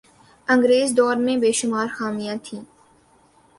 انگریز دور میں بے شمار خامیاں تھیں